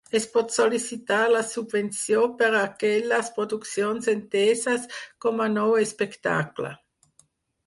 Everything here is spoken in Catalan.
Es pot sol·licitar la subvenció per a aquelles produccions enteses com a nou espectacle.